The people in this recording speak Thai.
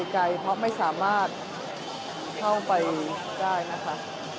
ใจเพราะไม่สามารถเข้าไปได้นะคะ